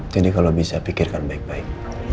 jadi kalau bisa pikirkan baik baik